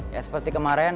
ya seperti kemarin